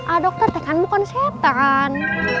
a dokter teh kan bukan setan